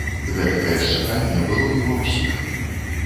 Гэтакае ж чаканне было і ва ўсіх.